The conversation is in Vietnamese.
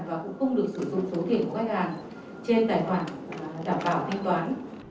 và cũng không được sử dụng số tiền của khách hàng trên tài toàn